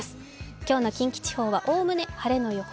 今日の近畿地方はおおむね晴れの予報。